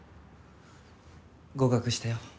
合格したよ